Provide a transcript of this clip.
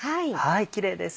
キレイです。